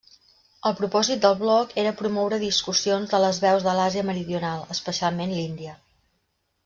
El propòsit del bloc era promoure discussions de les veus de l'Àsia meridional, especialment l'Índia.